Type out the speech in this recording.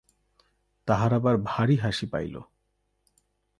তাহার আবার ভারি হাসি পাইল।